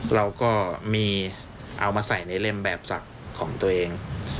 เราก็มีเอามาใส่ในเล่มแบบศักดิ์ของตัวเอง